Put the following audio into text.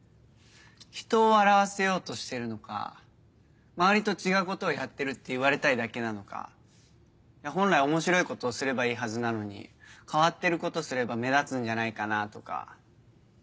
人を笑わせようとしてるのか周りと違うことをやってるって言われたいだけなのか本来面白いことをすればいいはずなのに変わってることすれば目立つんじゃないかなとか。